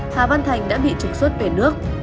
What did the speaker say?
hà văn thành đã bị trục xuất về nước